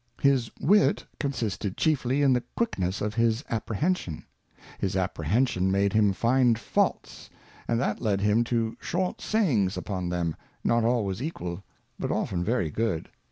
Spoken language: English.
HIS Wit consisted chiefly in the Quickness of his Appre hension. His Apprehension made him find Faults, and that led him to short Sayings upon them^ not always equal, but often very good.